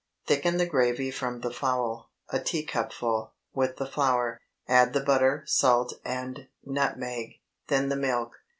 Thicken the gravy from the fowl—a teacupful—with the flour; add the butter, salt, and nutmeg, then the milk.